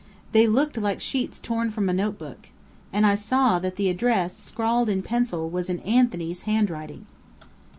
They looked like sheets torn from a notebook. And I saw that the address, scrawled in pencil, was in Anthony's handwriting.